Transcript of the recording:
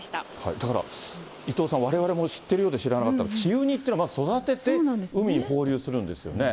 だから、伊藤さん、われわれも知ってるようで知らなかった、稚ウニっていうのをまず育てて海に放流するんですね。